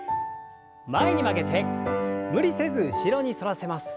前に曲げて無理せず後ろに反らせます。